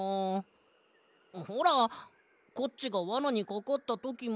ほらコッチがわなにかかったときも。